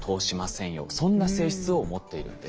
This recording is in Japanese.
そんな性質を持っているんです。